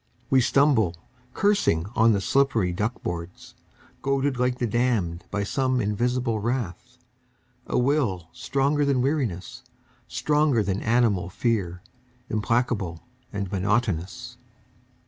We stumble, cursing, on the slippery duck boards. Goaded like the damned by some invisible wrath, A will stronger than weariness, stronger than animal fear, Implacable and monotonous.